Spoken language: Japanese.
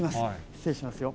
失礼しますよ。